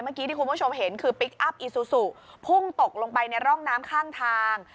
เมื่อกี้ที่คุณผู้ชมเห็นคือพลิกอัพอีซูซูพุ่งตกลงไปในร่องน้ำข้างทาง